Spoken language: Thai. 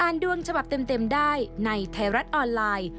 ดวงฉบับเต็มได้ในไทยรัฐออนไลน์